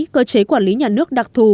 cơ chế quản lý nhà nước đặc thù